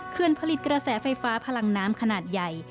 ผลิตกระแสไฟฟ้าพลังน้ำขนาดใหญ่